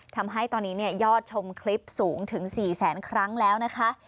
ทำให้ตอนนี้ยอดชมคลิปสูงถึง๔แสนครั้งแล้วนะคะ